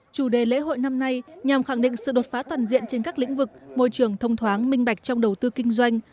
chủ đề lễ hội năm nay nhằm khẳng định sự đột phá toàn diện trên các lĩnh vực môi trường thông thoáng minh bạch trong đầu tư kinh doanh